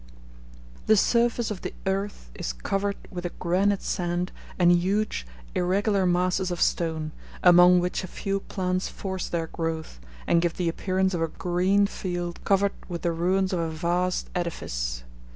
The surface of the earth is covered with a granite sand and huge irregular masses of stone, among which a few plants force their growth, and give the appearance of a green field covered with the ruins of a vast edifice.